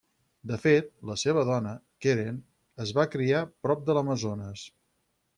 De fet, la seva dona, Keren, es va criar prop de l'Amazones.